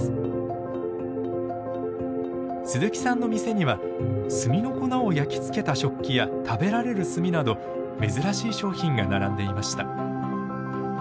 鈴木さんの店には炭の粉を焼き付けた食器や食べられる炭など珍しい商品が並んでいました。